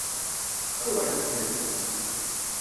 A wer tekkremt!